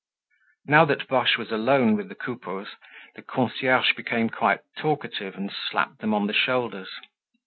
Now that Boche was alone with the Coupeaus, the concierge became quite talkative and slapped them on the shoulders.